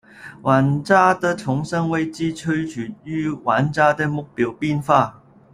玩家的重生位置取决于玩家的目标变化。